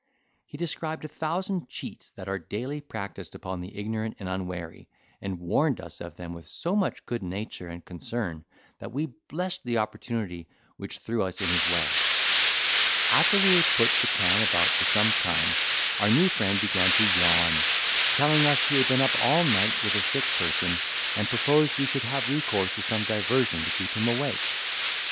He described a thousand cheats that are daily practised upon the ignorant and unwary, and warned us of them with so much good nature and concern, that we blessed the opportunity which threw us in his way. After we had put the can about for some time, our new friend began to yawn, telling us he had been up all night with a sick person; and proposed we should have recourse to some diversion to keep him awake.